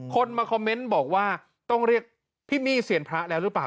คนมาคอมเมนต์บอกว่าต้องเรียกพี่มี่เซียนพระแล้วหรือเปล่า